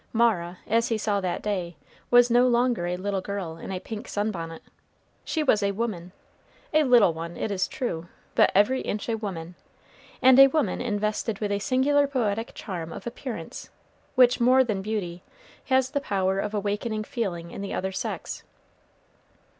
Mara, as he saw that day, was no longer a little girl in a pink sun bonnet. She was a woman, a little one, it is true, but every inch a woman, and a woman invested with a singular poetic charm of appearance, which, more than beauty, has the power of awakening feeling in the other sex.